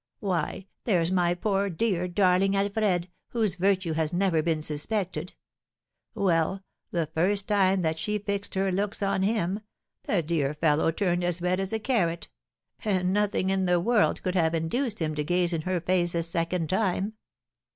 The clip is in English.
Why, there's my poor, dear, darling Alfred, whose virtue has never been suspected; well, the first time that she fixed her looks on him, the dear fellow turned as red as a carrot, and nothing in the world could have induced him to gaze in her face a second time.